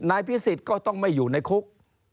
นายพิสิทธิ์ก็ต้องไม่อยู่ในคุก